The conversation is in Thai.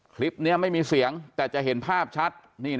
คลิปนี้ไม่มีเสียงแต่จะเห็นภาพชัด